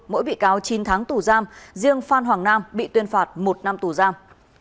mỗi bị cáo chín tháng tù giam riêng phan hoàng nam bị tuyên phạt một năm tù giam